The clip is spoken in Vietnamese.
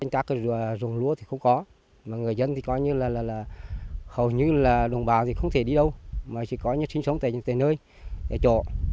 các cái rồng lúa thì không có mà người dân thì coi như là hầu như là đồng bào thì không thể đi đâu mà chỉ coi như sinh sống tại nơi tại chỗ